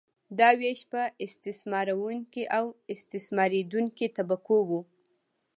دا ویش په استثمارونکې او استثماریدونکې طبقو وو.